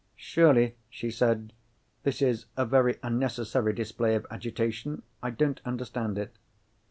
"Surely," she said, "this is a very unnecessary display of agitation? I don't understand it."